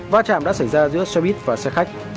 va chạm đã xảy ra giữa xe buýt và xe khách